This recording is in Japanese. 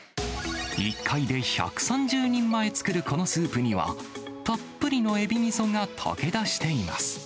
１回で１３０人前作るこのスープには、たっぷりのエビみそが溶け出しています。